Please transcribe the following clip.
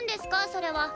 それは。